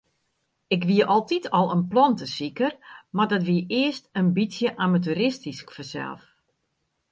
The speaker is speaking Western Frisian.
Ik wie altyd al in plantesiker, mar dat wie earst in bytsje amateuristysk fansels.